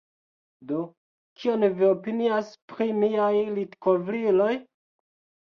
Do, kion vi opinias pri miaj litkovriloj?